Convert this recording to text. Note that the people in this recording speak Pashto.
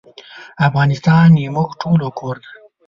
افغانستان زموږ ټولو کور دی